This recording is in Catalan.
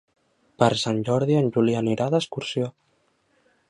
Per Sant Jordi en Juli anirà d'excursió.